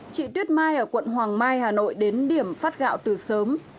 chị tuyết mai ở quận hoàng mai hà nội đến điểm phát gạo từ sớm